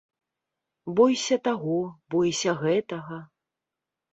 Бойся таго, бойся гэтага.